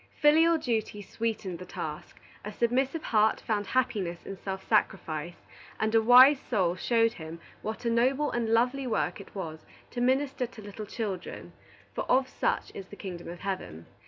Filial duty sweetened the task, a submissive heart found happiness in self sacrifice, and a wise soul showed him what a noble and lovely work it was to minister to little children, for of such is the kingdom of heaven.